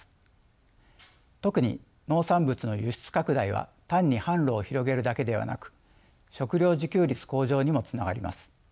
特に農産物の輸出拡大は単に販路を広げるだけではなく食料自給率向上にもつながります。